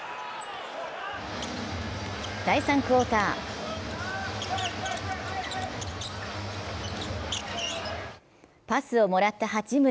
第３クオーター、パスをもらった八村。